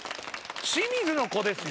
清水の子ですよ。